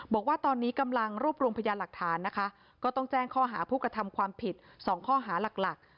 บอกว่าตอนนี้กำลังรวบรวมพยานหลักฐานนะคะก็ต้องแจ้งข้อหาผู้กระทำความผิดสองข้อหาหลักหลัก